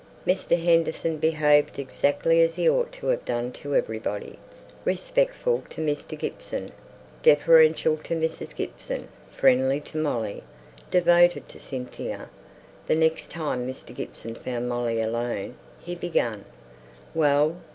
Mr. Henderson behaved exactly as he ought to have done to everybody: respectful to Mr. Gibson, deferential to Mrs. Gibson, friendly to Molly, devoted to Cynthia. The next time Mr. Gibson found Molly alone, he began, "Well!